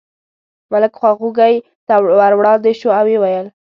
ملک خواخوږۍ ته ور وړاندې شو او یې وویل.